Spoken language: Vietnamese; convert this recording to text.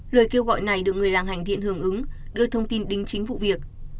lời kêu gọi này được người làng hành thiện hưởng ứng đưa thông tin đính chính vụ việc